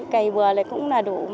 cầy bùa cũng là đủ